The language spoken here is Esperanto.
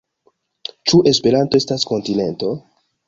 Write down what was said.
Ĉu Esperanto estas kontinento?